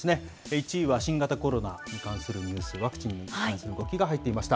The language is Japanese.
１位は新型コロナに関するニュース、ワクチンに関する動きが入っていました。